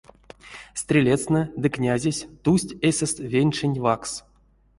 Стрелецтнэ ды князесь тусть эсест венченть ваксс.